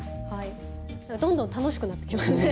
どんどん楽しくなってきますね。